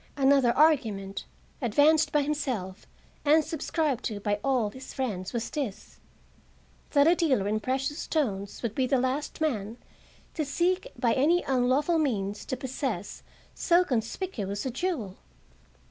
Another argument, advanced by himself and subscribed to by all his friends, was this: That a dealer in precious stones would be the last man to seek by any unlawful means to possess so conspicuous a jewel.